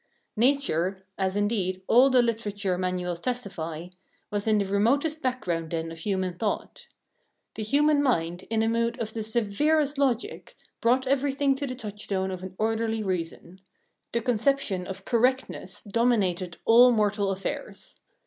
Nature as, indeed, all the literature manuals testify was in the remotest background then of human thought. The human mind, in a mood of the severest logic, brought everything to the touchstone of an orderly reason; the conception of "correctness" dominated all mortal affairs.